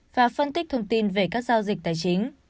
và phân tích thông tin về các giao dịch tài chính